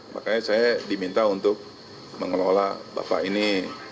makanya saya diminta untuk mengelola bapak ini